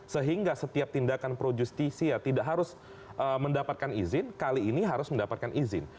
sehingga setiap tindakan projustisia tidak harus mendapatkan izin